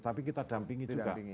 tapi kita dampingi juga